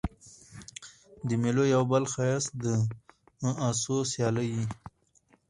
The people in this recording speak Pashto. د مېلو یو بل ښایست د آسو سیالي يي.